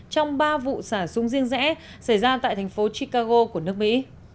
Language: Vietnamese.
trong ba vụ xả súng riêng rẽ xảy ra tại thành phố chicago của nước mỹ